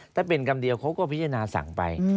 ถ้าเป็นกรรมเดียวเขาก็พิจารณาสั่งไป